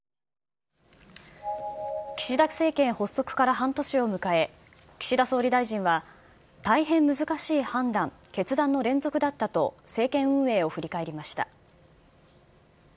岸田政権発足から半年を迎え、岸田総理大臣は、大変難しい判断、決断の連続だったと政権運営を振り返りました。